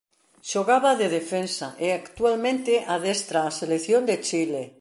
Xogaba de defensa e actualmente adestra a selección de Chile.